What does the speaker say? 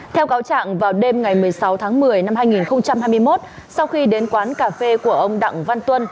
theo cáo trạng vào đêm ngày một mươi sáu tháng một mươi năm hai nghìn hai mươi một sau khi đến quán cà phê của ông đặng văn tuân